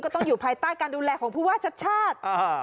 ต้องอยู่ภายใต้การดูแลของผู้ว่าชัดชาติ